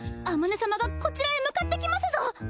あまね様がこちらへ向かってきますぞ！